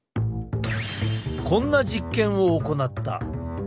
こんな実験を行った。